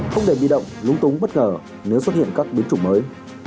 không để bị động lúng túng bất ngờ nếu xuất hiện các biến chủng mới